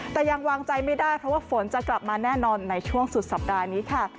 แต่ยังวางใจไม่ได้เพราะว่าฝนจะกลับมาแน่นอนในช่วงสุดสัปดาห์นี้ค่ะ